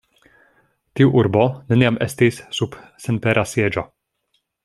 Tiu urbo neniam estis sub senpera sieĝo.